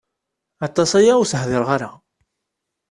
Aṭas aya ur as-hdireɣ ara.